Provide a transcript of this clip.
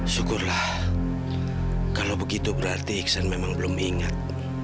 syukurlah kalau begitu berarti iksan memang belum ingat